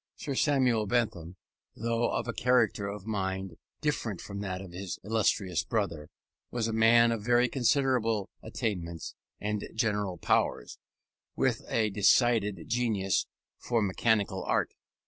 Sir Samuel Bentham, though of a character of mind different from that of his illustrious brother, was a man of very considerable attainments and general powers, with a decided genius for mechanical art.